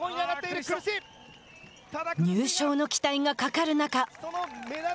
入賞の期待がかかる中。